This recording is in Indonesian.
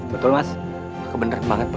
pak kebenaran banget